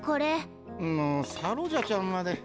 もうサロジャちゃんまで。